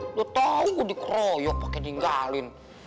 udah tau gue dikeroyok pake ninggalin